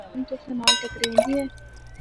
دُھند تُساں نال ٹَکریندی اے۔